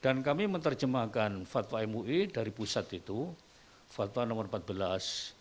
dan kami menerjemahkan fatwa mui dari pusat itu fatwa nomor empat belas tahun dua ribu dua puluh itu itu memang diserahkan kepada dasar masjid